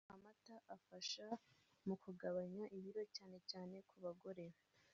Amata afasha mu kugabanya ibiro cyane cyane ku bagore